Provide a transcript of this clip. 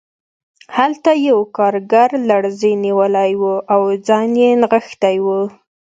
هلته یو کارګر لړزې نیولی و او ځان یې نغښتی و